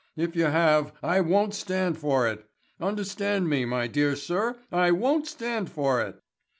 If you have I won't stand for it. Understand me, my dear sir, I won't stand for it."